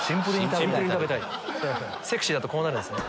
セクシーだとこうなるんすね。